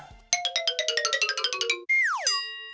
ว้าว